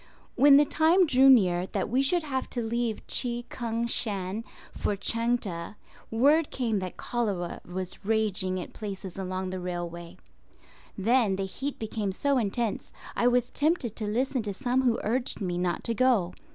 When the time drew near that we should have to leave Chi Kung Shan for Chang teh, word came that cholera was raging at places along the railway. Then the heat became so intense I was tempted to listen to some who urged me not to go.